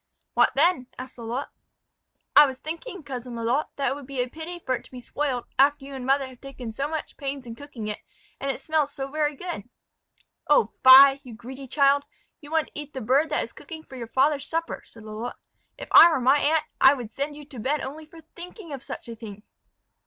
"What then?" asked Lalotte. "I was thinking, cousin Lalotte, that it would be a pity for it to be spoiled, after you and mother have taken so much pains in cooking it; and it smells so very good." "Oh, fie! you greedy child; you want to eat the bird that is cooking for your father's supper," said Lalotte. "If I were my aunt, I would send you to bed only for thinking of such a thing."